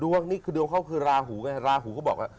ดวงเขาคือลาหูลาหูก็บอกว่า